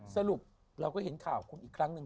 สรุปเราก็เห็นข่าวคุณอีกครั้งหนึ่ง